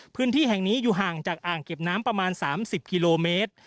พื้นที่แห่งนี้อยู่ห่างจากอ่างเก็บน้ำประมาณ๓๐กิโลเมตร